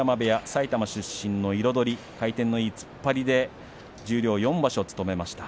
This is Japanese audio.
埼玉出身の彩回転のいい突っ張りで十両４場所務めました。